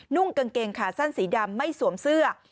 ่งกางเกงขาสั้นสีดำไม่สวมเสื้อ